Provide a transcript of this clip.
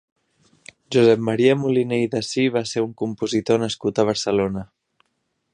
Josep Maria Moliné i Dassí va ser un compositor nascut a Barcelona.